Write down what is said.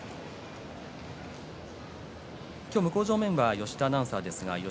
今日、向正面は吉田アナウンサーです。